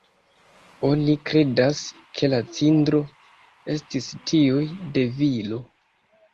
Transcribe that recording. Oni kredas ke la cindro estis tiuj de viro.